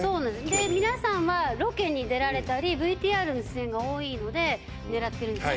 で皆さんはロケに出られたりＶＴＲの出演が多いので狙ってるんですね